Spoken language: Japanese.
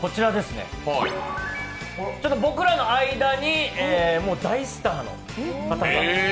僕らの間にもう大スターの方が。